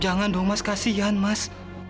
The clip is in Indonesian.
jangan dong mas kasihan mas